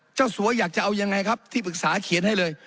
สัวอยากจะเอายังไงครับที่ปรึกษาเขียนให้เลย